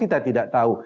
kita tidak tahu